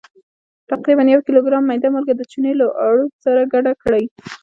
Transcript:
تقریبا یو کیلوګرام میده مالګه د چونې له اړوب سره ګډه کړئ.